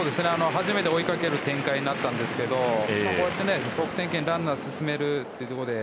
初めて、追いかける展開になったんですけどこうして得点圏にランナーを進めるということで。